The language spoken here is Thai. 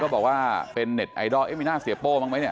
บอกว่าเป็นเน็ตไอดอลเอ๊มีหน้าเสียโป้บ้างไหมเนี่ย